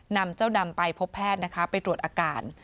นำเจ้าดำไปพบแพทย์นะคะไปตรวจอาการ